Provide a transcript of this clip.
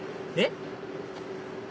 えっ？